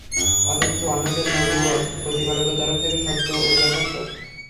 অথচ অন্যদের নবুওত প্রতিপালকের তরফ থেকে সত্য ও যথার্থ।